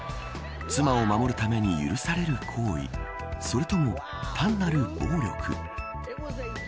妻を守るために許される行為それとも、単なる暴力。